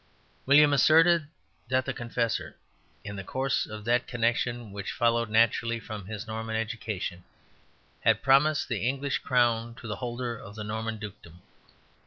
William asserted that the Confessor, in the course of that connection which followed naturally from his Norman education, had promised the English crown to the holder of the Norman dukedom.